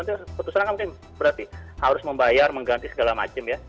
itu putusan kan mungkin berarti harus membayar mengganti segala macam ya